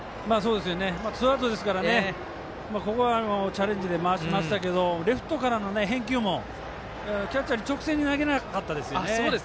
ツーアウトですからここはチャレンジで回しましたけどレフトからの返球もキャッチャーに直線に投げなかったですよね。